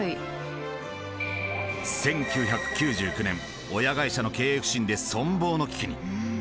１９９９年親会社の経営不振で存亡の危機に。